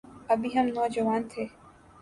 ابھی ہم نوجوان تھے۔